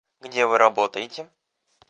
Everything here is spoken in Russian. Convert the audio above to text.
Где вы работаете?